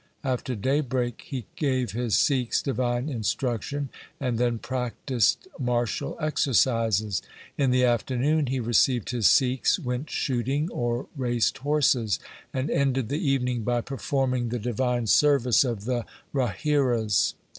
After daybreak he gave his Sikhs divine instruction and then practised martial exercises. In the afternoon he received his Sikhs, went shooting, or raced horses ; and ended the evening by performing the divine service of the Rahiras.